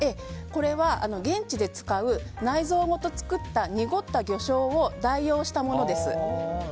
これは現地で使う内臓ごと作ったにごった魚しょうを代用したものです。